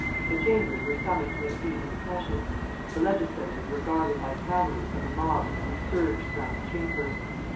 The Chambers were summoned to an evening session. The legislators were guarded by cavalry from the mob which surged round the Chamber.